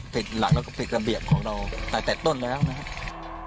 หลักแล้วก็ปิดระเบียบของเราตั้งแต่ต้นแล้วนะครับ